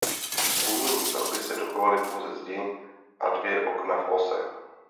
Z původní stavby se dochovaly pouze zdi a dvě okna v ose.